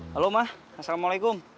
halo ma assalamualaikum